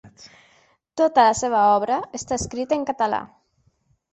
Tota la seva obra està escrita en català.